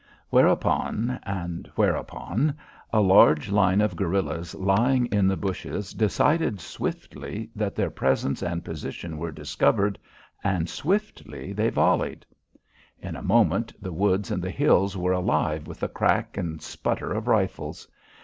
Whereupon and whereupon a large line of guerillas lying in the bushes decided swiftly that their presence and position were discovered, and swiftly they volleyed. In a moment the woods and the hills were alive with the crack and sputter of rifles.